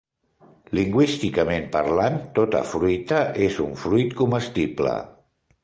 Lingüísticament parlant, tota fruita és un fruit comestible.